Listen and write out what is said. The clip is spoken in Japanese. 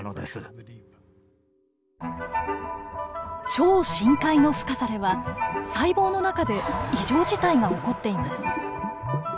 超深海の深さでは細胞の中で異常事態が起こっています。